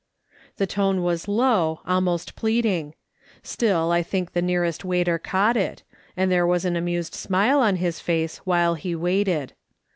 The tone was low, almost pleading ; still I think the nearest waiter caught it, and there was an amused smile on his face while he waited.